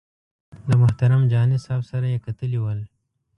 له محترم جهاني صاحب سره یې کتلي ول.